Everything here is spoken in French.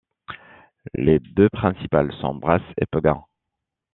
Les deux principales sont Bras et Pegun.